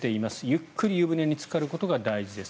ゆっくり湯船につかることが大事です。